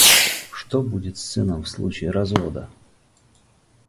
Что будет с сыном в случае развода?